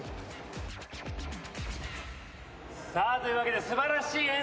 さあというわけで素晴らしい演奏でした。